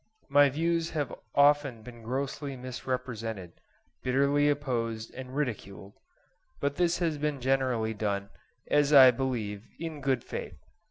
My views have often been grossly misrepresented, bitterly opposed and ridiculed, but this has been generally done, as I believe, in good faith.